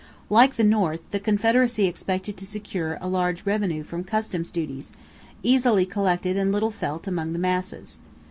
Like the North, the Confederacy expected to secure a large revenue from customs duties, easily collected and little felt among the masses.